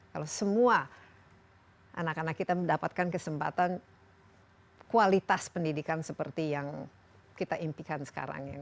kalau semua anak anak kita mendapatkan kesempatan kualitas pendidikan seperti yang kita impikan sekarang